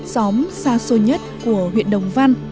xóm xa xôi nhất của huyện đồng văn